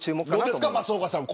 どうですか、松岡さん